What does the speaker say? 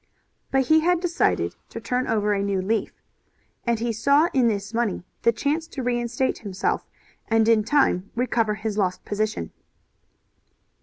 But he had decided to turn over a new leaf, and he saw in this money the chance to reinstate himself, and in time recover his lost position.